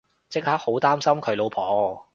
即刻好擔心佢老婆